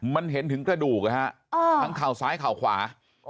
มันเห็นถึงกระดูกนะฮะทั้งเข่าซ้ายเข่าขวา